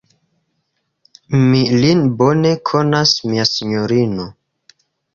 Mi lin bone konas, mia sinjorino.